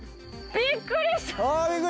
びっくりした！